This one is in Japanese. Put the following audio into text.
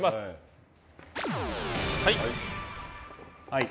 はい。